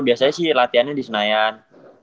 biasanya sih latihannya di senayan